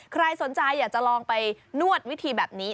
ใครสนใจอยากจะลองไปนวดวิธีแบบนี้